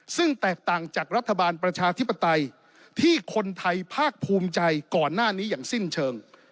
ซึ่งแตกต่างจากรัฐบาลประชาธิปไตยที่คนไทยภาคภูมิใจก่อนหน้านี้อย่างสิ้นเชิง